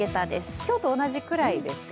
今日と同じくらいですかね。